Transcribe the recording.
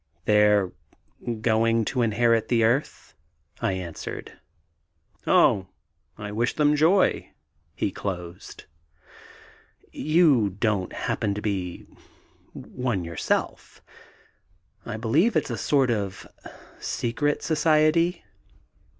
"They're going to inherit the earth," I answered. "Oh, I wish them joy," he closed. "You don't happen to be one yourself? I believe it's a sort of secret society."